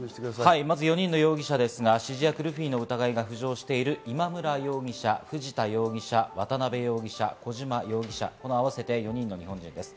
まず４人の容疑者ですが、指示役・ルフィの疑いが浮上している今村容疑者、藤田容疑者、渡辺容疑者、小島容疑者、合わせて４人の日本人です。